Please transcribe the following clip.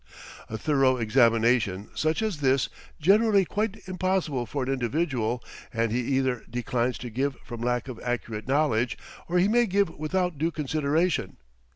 A thorough examination such as this is generally quite impossible for an individual, and he either declines to give from lack of accurate knowledge, or he may give without due consideration.